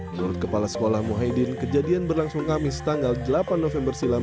menurut kepala sekolah muhaydin kejadian berlangsung kamis tanggal delapan november silam